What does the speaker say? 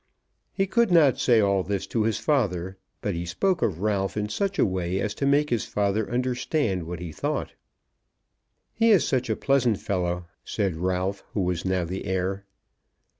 He could not say all this to his father; but he spoke of Ralph in such a way as to make his father understand what he thought. "He is such a pleasant fellow," said Ralph, who was now the heir.